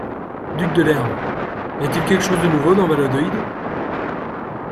Duc de Lerme, y a-t-il quelque chose de nouveau dans Valladolid ?